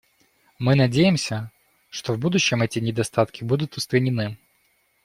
Мы надеемся, что в будущем эти недостатки будут устранены.